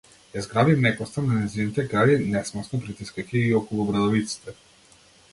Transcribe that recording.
Ја зграби мекоста на нејзините гради, несмасно пристискајќи ги околу брадавиците.